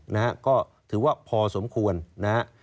นะฮะก็ถือว่าพอสมควรนะฮะ